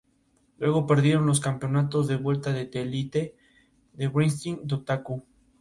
Luego perdieron los campeonatos de vuelta a The Elite en Wrestling Dontaku.